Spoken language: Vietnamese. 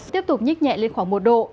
tiếp tục nhích nhẹ lên khoảng một độ